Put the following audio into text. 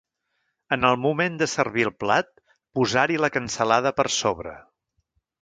En el moment de servir el plat, posar-hi la cansalada per sobre.